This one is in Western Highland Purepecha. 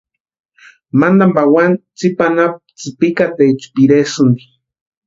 Mantani pawani tsipa anapu tsïpikataecha piresïnti.